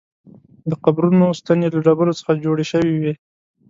د قبرونو ستنې له ډبرو څخه جوړې شوې وې.